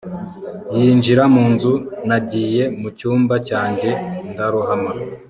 yinjira mu nzu. nagiye mucyumba cyanjye ndarohama